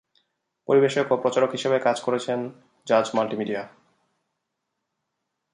পরিবেশক ও প্রচারক হিসেবে কাজ করেছেন জাজ মাল্টিমিডিয়া।